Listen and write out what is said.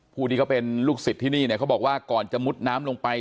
ผู้ที่เขาเป็นลูกศิษย์ที่นี่เนี่ยเขาบอกว่าก่อนจะมุดน้ำลงไป